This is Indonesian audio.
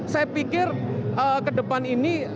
saya pikir kedepan ini